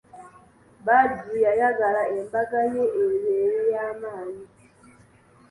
Badru yayagala embaga ye ebeere ya maanyi.